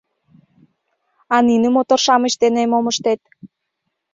А нине мотор-шамыч дене мом ыштет?